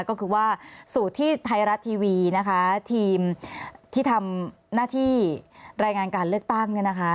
ก็คือว่าสูตรที่ไทยรัฐทีวีนะคะทีมที่ทำหน้าที่รายงานการเลือกตั้งเนี่ยนะคะ